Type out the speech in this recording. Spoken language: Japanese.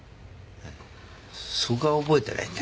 そこは覚えてないんだ。